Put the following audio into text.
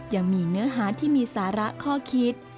ยังมีเนื้อหาที่มีสาระข้อคิด